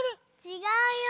ちがうよ。